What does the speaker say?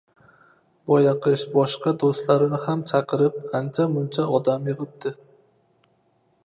Boyaqish boshqa doʻstlarini ham chaqirib, ancha-muncha odam yigʻibdi.